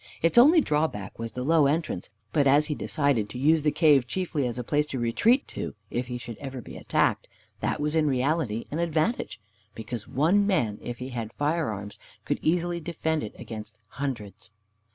Its only drawback was the low entrance; but, as he decided to use the cave chiefly as a place to retreat to if he should ever be attacked, that was in reality an advantage, because one man, if he had firearms could easily defend it against hundreds.